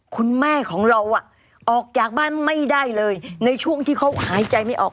คุณแม่ของเราออกจากบ้านไม่ได้เลยในช่วงที่เขาหายใจไม่ออก